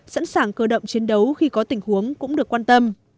sẵn sàng cơ động chiến đấu khi có tình huống cũng được quan tâm